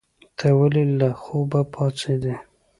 ته ولې له خوبه پاڅېدې؟